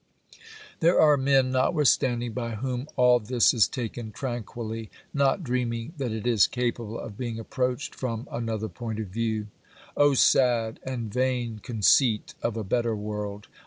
There are men, notwithstanding, by whom all this is taken tranquilly, not dreaming that it is capable of being approached from another point of view. O sad and vain conceit of a better world